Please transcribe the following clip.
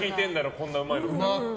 こんなうまいのって。